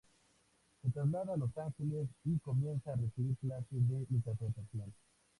Se traslada a Los Ángeles y comienza a recibir clases de interpretación.